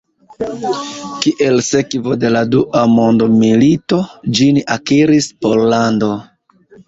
Kiel sekvo de la Dua mondmilito, ĝin akiris Pollando.